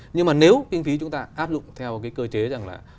nhưng mà nếu kinh phí chúng ta áp dụng theo cái cơ chế rằng là